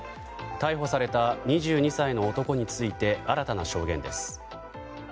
逮捕された２２歳の男について新たな証言です。